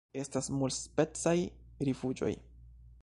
Estas multspecaj rifuĝoj.